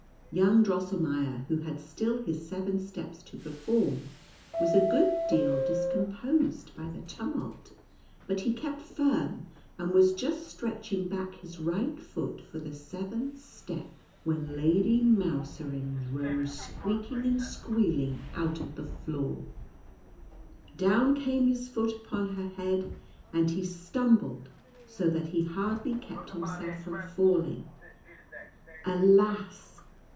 Young Drosselmeier, who had still his seven steps to perform, was a good deal discom posed by the tumult, but he kept firm, and was just stretching back his right foot for the seventh step, when Lady Mouserings rose squeak ing and squealing out of the floor ; down came his foot upon her head, and he stumbled, so that he hardly kept himself from falling. Alas